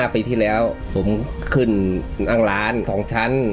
ปีที่แล้วผมขึ้นนั่งร้าน๒ชั้น